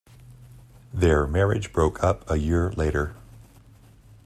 Their marriage broke up a year later.